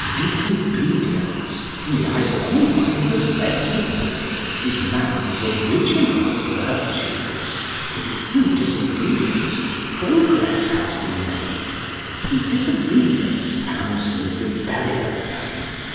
Disobedience, in the eyes of anyone who has read history, is man's original virtue. It is through disobedience that progress has been made, through disobedience and through rebellion.